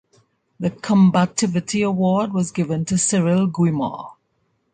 The combativity award was given to Cyrille Guimard.